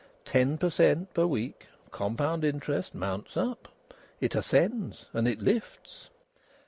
Ten per cent. per week, compound interest, mounts up; it ascends, and it lifts.